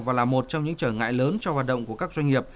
và là một trong những trở ngại lớn cho hoạt động của các doanh nghiệp